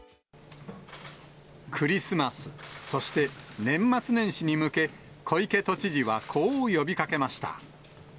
クリスマス、そして年末年始に向け、小池都知事はこう呼びかけました。